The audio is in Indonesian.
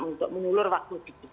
untuk menyulur waktu